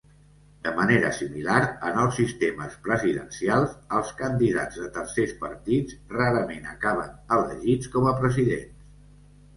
De manera similar, en els sistemes presidencials, els candidats de tercers partits rarament acaben elegits com a presidents.